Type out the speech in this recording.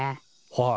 はい。